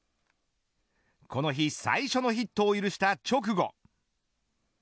この日最初のヒットを許した直後。